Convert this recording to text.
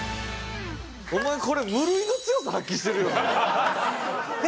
お前これ無類の強さ発揮してるよね。